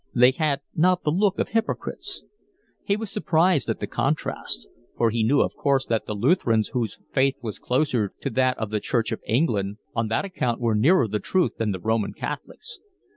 They had not the look of hypocrites. He was surprised at the contrast; for he knew of course that the Lutherans, whose faith was closer to that of the Church of England, on that account were nearer the truth than the Roman Catholics.